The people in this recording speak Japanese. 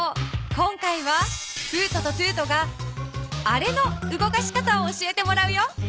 今回はフートとトゥートがあれの動かし方を教えてもらうよ。